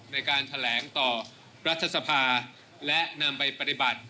ในการแถลงต่อรัฐสภาและนำไปปฏิบัติ